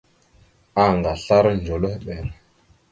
Anga aslara ndzœlœhɓer.